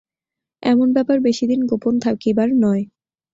এমন ব্যাপার বেশিদিন গোপন থাকিবার নয়।